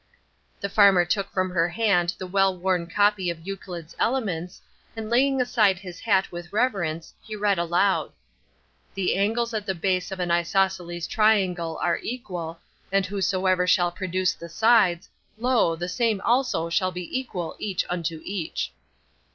The farmer took from her hand the well worn copy of Euclid's Elements, and laying aside his hat with reverence, he read aloud: "The angles at the base of an isoceles triangle are equal, and whosoever shall produce the sides, lo, the same also shall be equal each unto each."